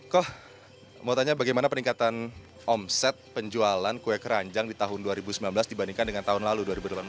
koh mau tanya bagaimana peningkatan omset penjualan kue keranjang di tahun dua ribu sembilan belas dibandingkan dengan tahun lalu dua ribu delapan belas